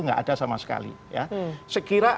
tidak ada sama sekali sekira